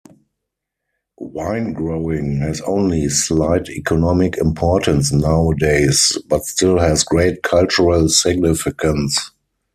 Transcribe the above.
Winegrowing has only slight economic importance nowadays but still has great cultural significance.